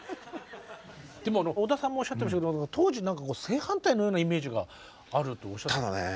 でも小田さんもおっしゃってましたけど当時なんか正反対のようなイメージがあるとおっしゃってましたね。